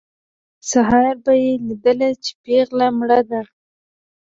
سهار به یې لیدل چې پېغله مړه ده.